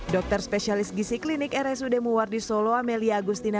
dokter spesialis gisi klinik rsud muwardi solo amelia agustina